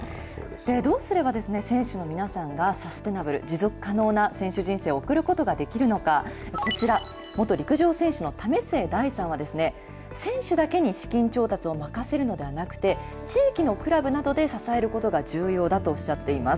どうすれば、選手の皆さんがサステナブル・持続可能な選手人生を送ることができるのか、こちら、元陸上選手の為末大さんは、選手だけに資金調達を任せるのではなくて、地域のクラブなどで支えることが重要だとおっしゃっています。